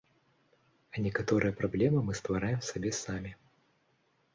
А некаторыя праблемы мы ствараем сабе самі.